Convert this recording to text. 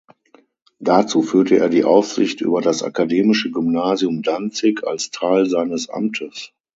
Dazu führte er die Aufsicht über das Akademische Gymnasium Danzig als Teil seines Amtes.